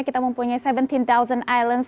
kita mempunyai tujuh belas island